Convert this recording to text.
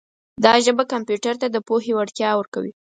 دا ژبه کمپیوټر ته د پوهې وړتیا ورکوي.